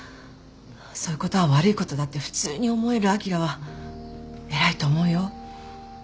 そういうことは悪いことだって普通に思えるあきらは偉いと思うよ。